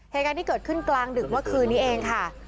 เหตุการณ์ที่เกิดขึ้นกลางดึกเมื่อคืนนี้เองค่ะ